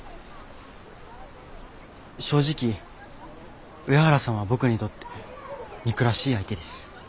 正直上原さんは僕にとって憎らしい相手です。